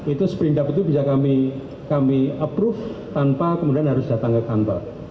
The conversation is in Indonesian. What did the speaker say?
itu sprint up itu bisa kami approve tanpa kemudian harus datang ke kantor